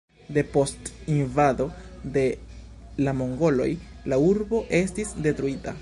Depost invado de la mongoloj la urbo estis detruita.